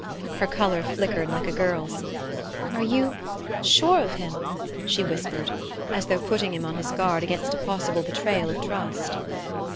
Her color flickered like a girl's. "Are you sure of him?" she whispered, as though putting him on his guard against a possible betrayal of trust.